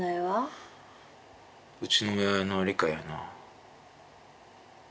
うちの親の理解やな。